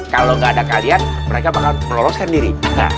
kalau nggak ada kalian mereka bakal meloloskan diri